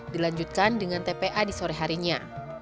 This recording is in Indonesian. dilanjutkan dengan tpa di sore harinya